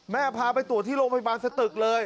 พาไปตรวจที่โรงพยาบาลสตึกเลย